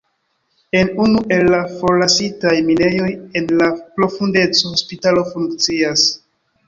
En unu el la forlasitaj minejoj en la profundeco hospitalo funkcias.